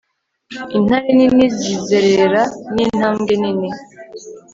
Intare nini zizerera nintambwe nini